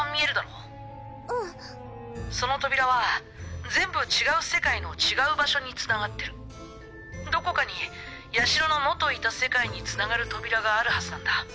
うんその扉は全部違う世界の違う場所につながってるどこかにヤシロの元いた世界につながる扉があるはずなんだ